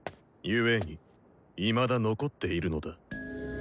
故にいまだ残っているのだ。